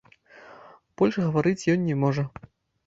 Больш гаварыць ён не можа.